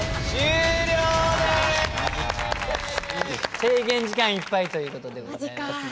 制限時間いっぱいということでございますね。